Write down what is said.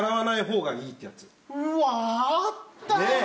うわー、あったわ。